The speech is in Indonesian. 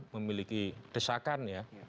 memiliki desakan ya